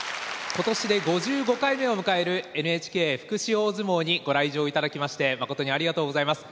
今年で５５回目を迎えるＮＨＫ福祉大相撲にご来場頂きまして誠にありがとうございます。